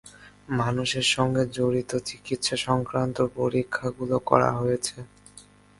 মানুষের সঙ্গে জড়িত চিকিৎসা সংক্রান্ত পরীক্ষাগুলো করা হয়েছে।